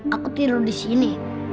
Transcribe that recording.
aku tidur disini